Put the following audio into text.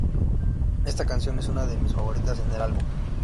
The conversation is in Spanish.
Esta canción es una de mis favoritas en el álbum.